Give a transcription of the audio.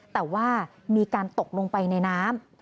แต่ว่ามีการตกลงไปในน้ำ